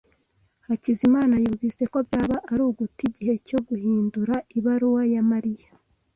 Hakizimana yumvise ko byaba ari uguta igihe cyo guhindura ibaruwa ya Mariya.